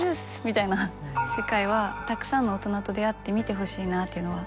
みたいな世界はたくさんの大人と出会って見てほしいなっていうのは。